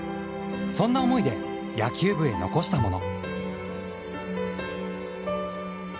そんな思いで野球部へ残したもの。